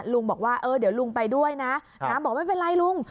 ลุงบอกว่าเออเดี๋ยวลุงไปด้วยนะน้าบอกไม่เป็นไรลุง